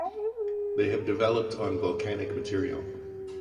They have developed on volcanic material.